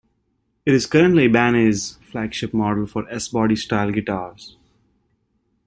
It is currently Ibanez's flagship model for S body style guitars.